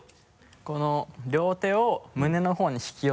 この両手を胸の方に引き寄せる。